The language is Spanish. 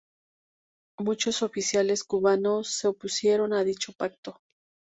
Muchos oficiales cubanos se opusieron a dicho pacto.